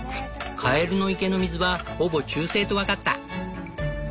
カエルの池の水はほぼ中性と分かった。